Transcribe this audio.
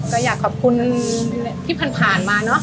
ก็อยากขอบคุณที่ผ่านมาเนอะ